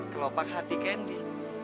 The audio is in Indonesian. kelopak hati candy